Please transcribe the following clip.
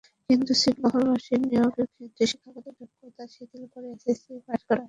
কিন্তু ছিটমহলবাসীর নিয়োগের ক্ষেত্রে শিক্ষাগত যোগ্যতা শিথিল করে এসএসসি পাস করা হয়েছে।